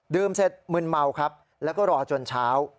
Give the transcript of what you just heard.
เสร็จมึนเมาครับแล้วก็รอจนเช้า